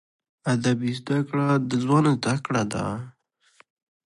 د ادب زده کړه، د ژوند زده کړه ده.